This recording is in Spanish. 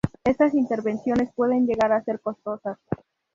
Estas inversiones pueden llegar a ser costosas.